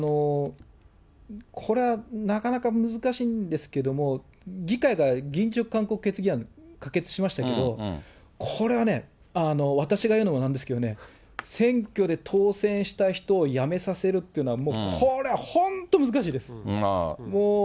これはなかなか難しいんですけども、議会がを可決しましたけど、これはね、私が言うのもなんですけどね、選挙で当選した人を辞めさせるというのはもうこれは本当難しいです。